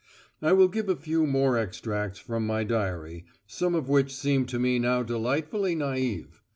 I will give a few more extracts from my diary, some of which seem to me now delightfully naïve!